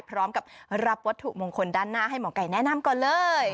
พร้อมกับรับวัตถุมงคลด้านหน้าให้หมอไก่แนะนำก่อนเลย